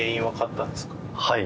はい。